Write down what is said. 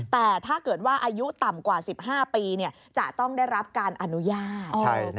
แต่ถ้าเกิดว่าอายุต่ำกว่า๑๕ปีจะต้องได้รับการอนุญาต